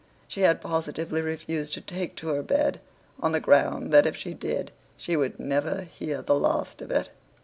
She had positively refused to take to her bed; on the ground that if she did, she would never hear the last of it.